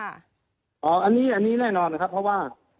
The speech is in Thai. อ่ออันนี้อันนี้แน่นอนนะครับเพราะว่า